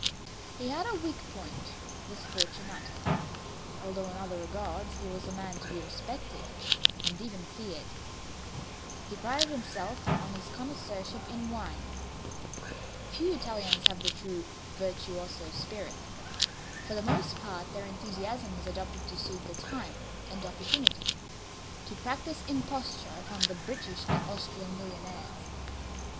He had a weak point this Fortunato although in other regards he was a man to be respected and even feared. He prided himself on his connoisseurship in wine. Few Italians have the true virtuoso spirit. For the most part their enthusiasm is adopted to suit the time and opportunity to practise imposture upon the British and Austrian millionaires.